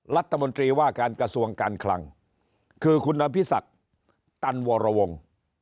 รัฐมนตรีว่าการกระทรวงการคลังคือคุณอภิษักตันวรวงศ์